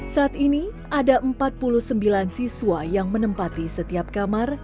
saat ini ada empat puluh sembilan siswa yang menempati setiap kamar